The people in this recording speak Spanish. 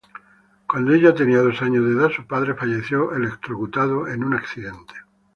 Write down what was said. Cuando ella tenía dos años de edad, su padre falleció electrocutado en un accidente.